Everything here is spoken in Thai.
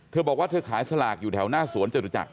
เธอบอกว่าเธอขายสลากอยู่แถวหน้าสวนจตุจักร